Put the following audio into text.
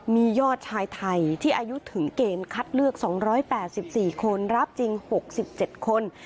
มียอดชายไทยที่อายุถึงเกณฑ์คัดเลือก๒๘๔คนรับจริง๖๗คน